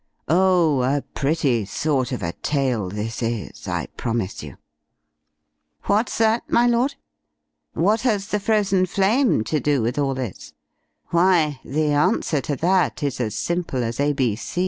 Oh, a pretty sort of a tale this is, I promise you! "What's that, my lord? What has the Frozen Flame to do with all this? Why, the answer to that is as simple as A.